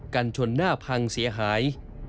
กันชนหน้าพังเสียหาย